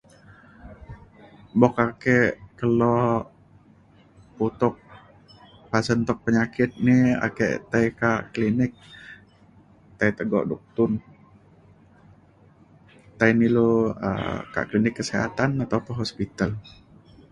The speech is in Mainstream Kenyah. boka ake kelo putuk pasen tuk penyakit ni ake tai ka klinik tai tego duktun tai na ilu um ka klinik kesihatan ataupun hospital